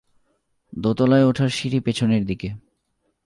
দোতলায় ওঠার সিঁড়ি পেছনের দিকে।